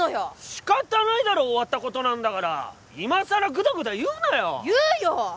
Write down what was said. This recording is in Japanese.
仕方ないだろ終わったことなんだから今さらぐだぐだ言うなよ言うよ！